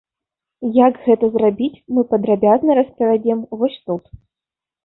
Як гэта зрабіць, мы падрабязна распавядаем вось тут.